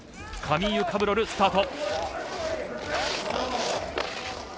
カミーユ・カブロル、スタート。